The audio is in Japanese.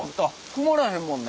曇らへんもんね。